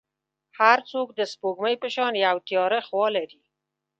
هر څوک د سپوږمۍ په شان یو تیاره خوا لري.